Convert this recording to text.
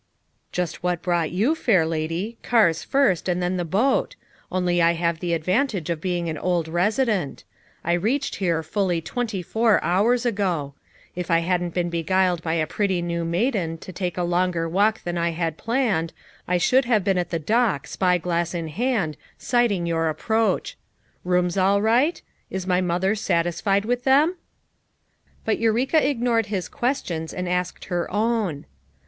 "Just what brought you, fair lady, cars first and then the boat; only I have the advantage of being an old resident. I reached here fully twenty four hours ago. If I hadn't been FOUB MOTHERS AT CHAUTAUQUA 73 beguiled by a pretty new maiden to take a longer walk than I had planned I should have been at the dock spy glass in hand sighting your approach. Rooms all right! Is my mother satisfied with them!" But Eureka ignored his questions and asked her own.